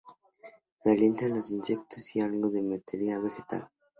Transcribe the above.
Se alimenta de insectos y algo de materia vegetal.